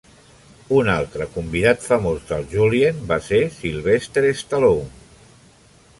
Un altre convidat famós del Julien va ser Sylvester Stallone.